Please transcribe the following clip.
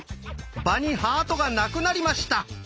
場にハートがなくなりました。